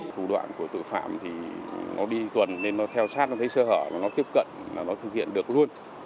thủ đoạn của tự phạm thì nó đi tuần nên theo sát nó thấy sơ hở là nó tiếp cận là nó thực hiện được luôn